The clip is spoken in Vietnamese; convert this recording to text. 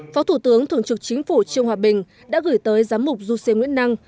phó thủ tướng thường trực chính phủ trương hòa bình đã gửi tới giám mục du sê nguyễn năng